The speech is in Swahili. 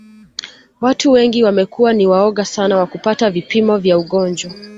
Watu wengi wamekuwa ni waoga sana wa kupata vipimo vya ugonjwa